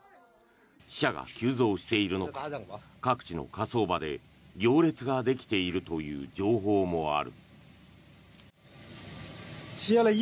死者が急増している中各地の火葬場で行列ができているという情報もある。